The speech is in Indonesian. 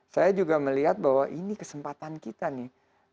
saya juga melihat bahwa ini kesempatan kita nih